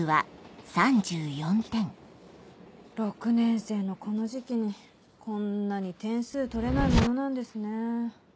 ６年生のこの時期にこんなに点数取れないものなんですね。